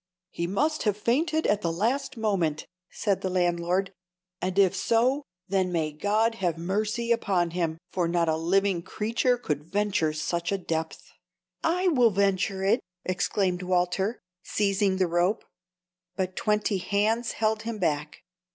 "He must have fainted at the last moment," said the landlord; "and if so, then may God have mercy upon him! for not a living creature could venture such a depth." [Illustration: "LET ME GO!" HE CRIED. "I MUST SAVE MY FATHER!"] "I will venture it!" exclaimed Walter, seizing the rope. But twenty hands held him back.